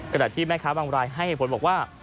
กฎะที่แม่ข้าวางบรายให้เหตุผลบอกว่า